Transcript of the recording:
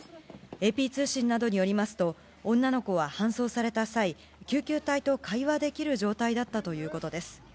ＡＰ通信などによりますと、女の子は搬送された際、救急隊と会話できる状態だったということです。